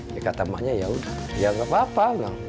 dia kata maknya ya udah ya gak apa apa